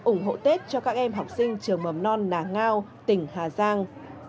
ủng hộ tết cho các em học sinh trường mầm non nà ngao tỉnh hà giang